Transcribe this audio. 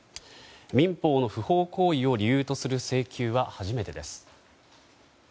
民法の不法行為を理由とする請求は初めてです。